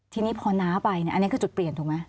ทีนี้พอน้าไปอันนี้คือจุดเปลี่ยนถูกไหม